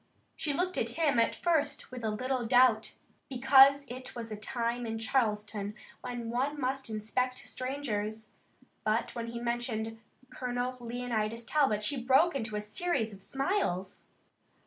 She looked at him at first with a little doubt, because it was a time in Charleston when one must inspect strangers, but when he mentioned Colonel Leonidas Talbot she broke into a series of smiles.